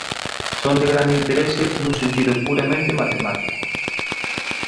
Son de grande interese nun sentido puramente matemático.